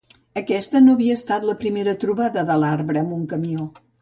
Aquesta no havia estat la primera trobada de l'arbre amb un camió.